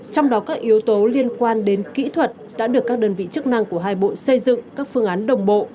trong đó các yếu tố liên quan đến kỹ thuật đã được các đơn vị chức năng của hai bộ xây dựng các phương án đồng bộ